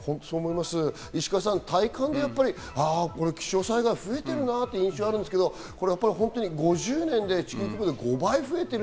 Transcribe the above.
石川さん、体感で気象災害が増えてるなっていう印象があるんですけど、５０年で地球規模で５倍増えてる。